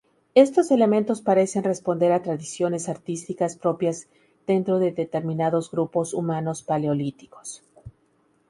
Estos elementos parecen responder a tradiciones artísticas propias dentro de determinados grupos humanos paleolíticos.